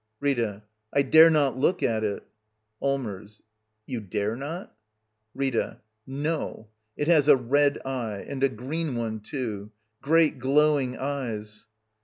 Rita. I dare not look at it Allmbrs. You dare not? Rtta. No. It has a red eye — and a green one, too. Great, glowing eyes!